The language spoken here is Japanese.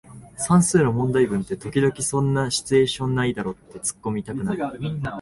算数の問題文って時々そんなシチュエーションないだろってツッコミたくなる